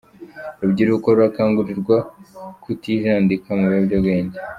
Urubyiruko rurakangurirwa kutijandika mu biyobyabwenge